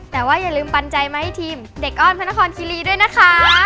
แต่ว่าอย่าลืมปันใจมาให้ทีมเด็กอ้อนพระนครคิรีด้วยนะคะ